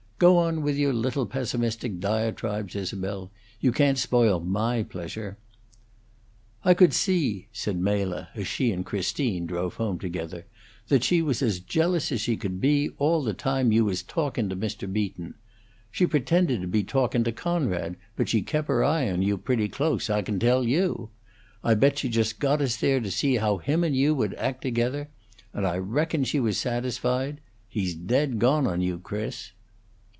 Go on with your little pessimistic diatribes, Isabel; you can't spoil my pleasure." "I could see," said Mela, as she and Christine drove home together, "that she was as jealous as she could be, all the time you was talkun' to Mr. Beaton. She pretended to be talkun' to Conrad, but she kep' her eye on you pretty close, I can tell you. I bet she just got us there to see how him and you would act together. And I reckon she was satisfied. He's dead gone on you, Chris."